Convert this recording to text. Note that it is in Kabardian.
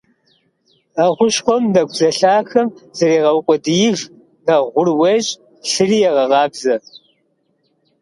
А хущхъуэм нэкӀу зэлъахэм зрегъэукъуэдииж, нэхъ гъур уещӀ, лъыри егъэкъабзэ.